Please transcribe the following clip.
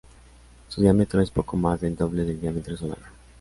Su diámetro es poco más del doble del diámetro solar.